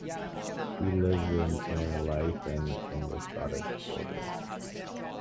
He lives in Innerleithen in the Scottish Borders.